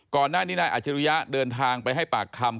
ก่อนหน้านี้นายอาจริยะเดินทางไปให้ปากคำ